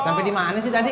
sampai di mana sih tadi